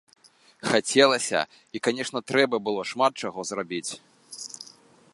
Хацелася і, канечне, трэба было шмат чаго зрабіць.